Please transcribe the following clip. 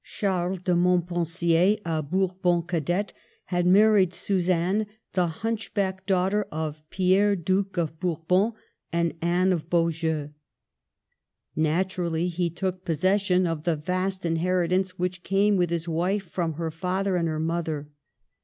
Charles de Montpensier, a Bourbon Cadet, had married Suzanne, the hunchbacked daughter of Pierre Duke of Bourbon and Anne of Beaujeu. Naturally he took possession of the vast inheri tance which came with his wife from her father and her mother.